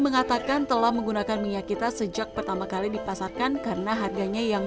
mengatakan telah menggunakan minyak kita sejak pertama kali dipasarkan karena harganya yang